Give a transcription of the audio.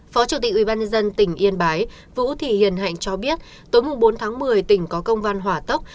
phó chủ tịch ủy ban nhân dân tỉnh yên bái vũ thị hiền hạnh cho biết tối bốn tháng một mươi tỉnh có công văn hỏa tốc